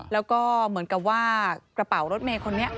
แล้วก็เหมือนกับว่ากระเป๋ารถเมย์คนนี้